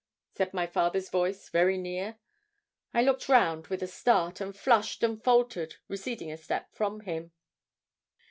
said my father's voice, very near. I looked round, with a start, and flushed and faltered, receding a step from him.